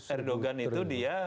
erdogan itu dia